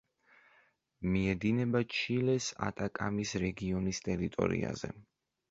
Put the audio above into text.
მიედინება ჩილეს ატაკამის რეგიონის ტერიტორიაზე.